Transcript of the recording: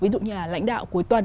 ví dụ như là lãnh đạo cuối tuần